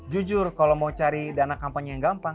jujur kalau mau cari dana kampanye yang gampang